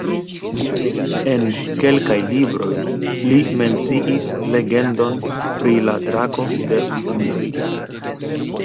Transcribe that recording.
En kelkaj libroj li menciis legendon pri la Drako de Brno.